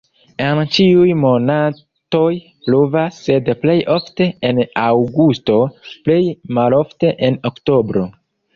En ĉiuj monatoj pluvas, sed plej ofte en aŭgusto, plej malofte en oktobro.